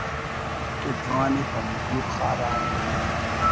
تو جوان ءِ پنجگور خاران